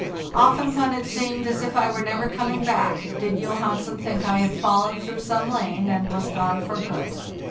Often, when it seemed as if I were never coming back, did Johansen think I had fallen through some lane and was gone for good.